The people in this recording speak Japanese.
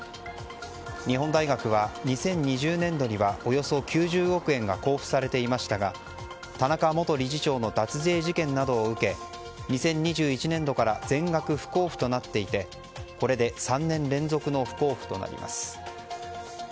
日本大学は２０２０年度にはおよそ９０億円が交付されていましたが田中元理事長の脱税事件などを受け、２０２１年度から全額不交付となっていてこれで３年連続の不交付となります。